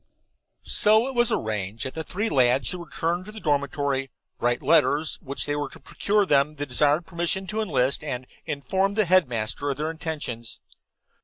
So it was arranged that the three lads should return to the dormitory, write the letters which were to procure them the desired permission to enlist, and then inform the headmaster of their intentions.